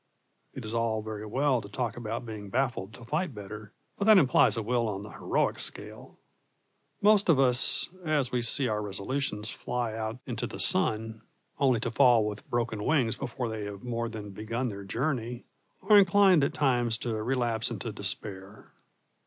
It is all very well to talk about being baffled to fight better, but that implies a will on the heroic scale. Most of us, as we see our resolutions fly out into the sun, only to fall with broken wings before they have more than begun their journey, are inclined at times to relapse into despair.